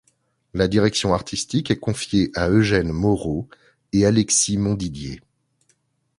La direction artistique est confiée à Eugène Moreau et Alexis Montdidier.